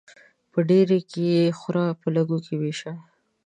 په ډيري کې خوره ، په لږي کې ويشه.